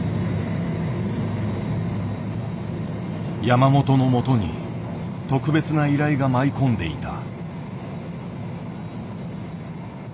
山本のもとに特別な依頼が舞い込んでいた。